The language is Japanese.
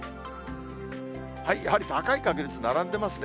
やはり高い確率並んでますね。